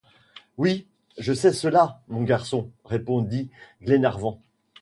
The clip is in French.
Oui, je sais cela, mon garçon, répondit Glenarvan.